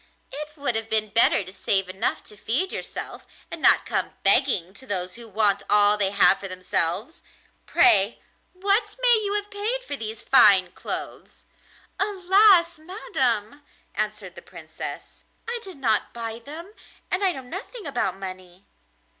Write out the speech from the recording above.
It would have been better to save enough to feed yourself, and not come begging to those who want all they have for themselves. Pray, what may you have paid for these fine clothes?' 'Alas! madam,' answered the Princess, 'I did not buy them, and I know nothing about money.